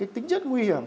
tính chất nguy hiểm